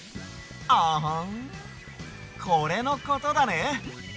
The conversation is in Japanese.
アハンこれのことだね？